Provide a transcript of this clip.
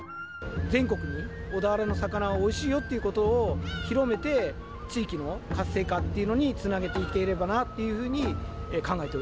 全国に小田原の魚はおいしいよっていうことを広めて、地域の活性化っていうのに、つなげていければなっていうふう